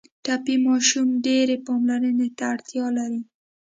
ټپي ماشوم ډېر پاملرنې ته اړتیا لري.